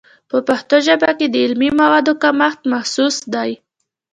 په پښتو ژبه کې د علمي موادو کمښت محسوس دی.